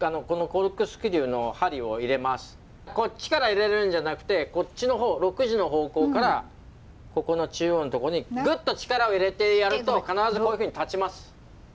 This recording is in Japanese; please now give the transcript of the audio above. こっちから入れるんじゃなくてこっちの方６時の方向からここの中央の所にグッと力を入れてやると必ずこういうふうに立ちます。